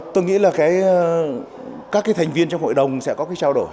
tôi nghĩ là các cái thành viên trong hội đồng sẽ có cái trao đổi